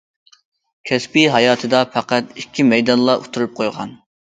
كەسپىي ھاياتىدا پەقەت ئىككى مەيدانلا ئۇتتۇرۇپ قويغان.